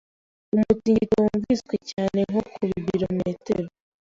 Umutingito wumviswe cyane nko ku bilometero